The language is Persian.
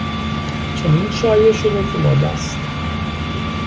چنین شایع شده که مرده است.